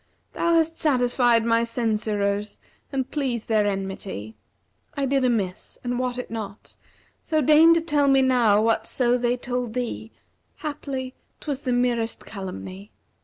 * Thou hast satisfied my censurers and pleased their enmity: I did amiss and wot it not; so deign to tell me now * Whatso they told thee, haply 'twas the merest calumny.